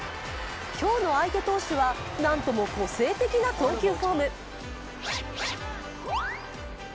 今日の相手投手はなんとも個性的な投球フォーム。